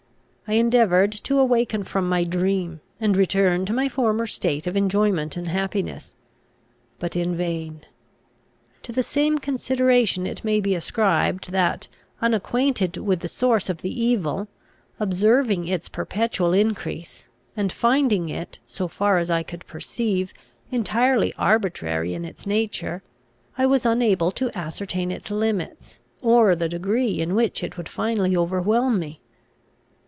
I endeavoured to awaken from my dream, and return to my former state of enjoyment and happiness; but in vain. To the same consideration it may be ascribed, that, unacquainted with the source of the evil, observing its perpetual increase, and finding it, so far as I could perceive, entirely arbitrary in its nature, I was unable to ascertain its limits, or the degree in which it would finally overwhelm me.